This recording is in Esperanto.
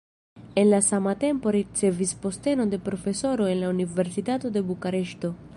En la sama tempo ricevis postenon de profesoro en la universitato de Bukareŝto.